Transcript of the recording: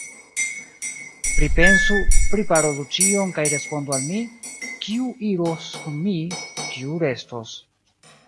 Pripensu, priparolu ĉion kaj respondu al mi, kiu iros kun mi, kiu restos.